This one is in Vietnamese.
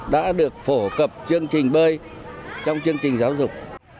đã được phổ cập chương trình bơi trong chương trình giáo dục